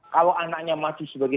kalau anaknya maju sebagai